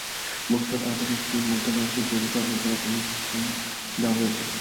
বস্তুত তাদেরকে একটি মধ্য বয়সী গরু যবেহ্ করার জন্যে হুকুম দেয়া হয়েছিল।